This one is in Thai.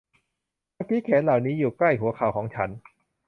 เมื่อกี้แขนเหล่านี้อยู่ใกล้หัวเข่าของฉัน